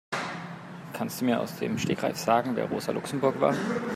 Kannst du mir aus dem Stegreif sagen, wer Rosa Luxemburg war?